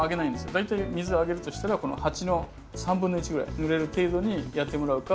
大体水あげるとしたらこの鉢の３分の１ぐらいぬれる程度にやってもらうか。